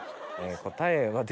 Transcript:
答えは。